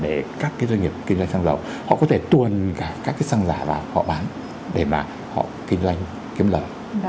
để các cái doanh nghiệp kinh doanh xăng dầu họ có thể tuồn cả các cái xăng giả vào họ bán để mà họ kinh doanh kiếm lời